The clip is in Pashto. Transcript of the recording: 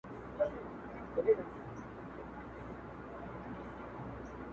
جهاني ستا چي یې په وینو کي شپېلۍ اودلې،